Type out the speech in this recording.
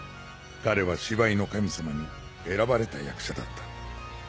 彼は芝居の神様に選ばれた役者だった。